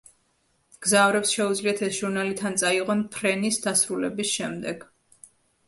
მგზავრებს შეუძლიათ ეს ჟურნალი თან წაიღონ ფრენის დასრულების შემდეგ.